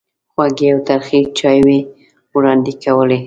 خوږې او ترخې چایوې وړاندې کولې.